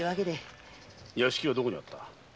屋敷はどこにあった？